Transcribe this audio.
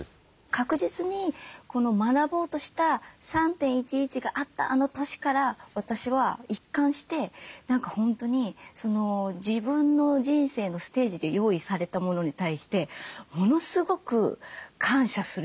確実に学ぼうとした３．１１があったあの年から私は一貫して何か本当に自分の人生のステージで用意されたものに対してものすごく感謝するようになったんですよ。